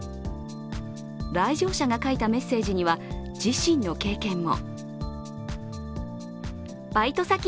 来場者が書いたメッセージには、自身の経験も。